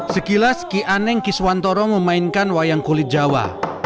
sekilas ki aneng kiswantoro memainkan wayang kulit jawa